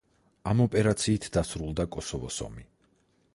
ამ ოპერაციით დასრულდა კოსოვოს ომი.